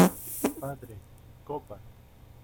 ¡ padre, copa!